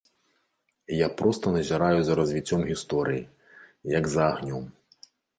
Я проста назіраю за развіццём гісторыі, як за агнём.